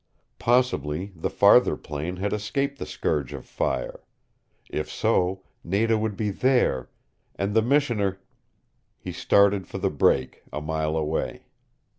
Possibly the farther plain had escaped the scourge of fire. If so, Nada would be there, and the Missioner He started for the break, a mile away.